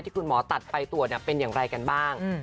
คุณหมอตัดไปตรวจเป็นอย่างไรกันบ้าง